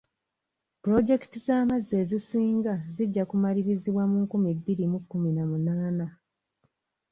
Pulozekiti z'amazzi ezisinga zijja kumalirizibwa mu nkumi bbiri mu kkumi na munaana.